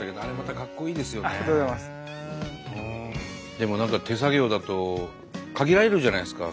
でも何か手作業だと限られるじゃないですか